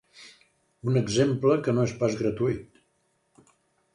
Un exemple que no és pas gratuït.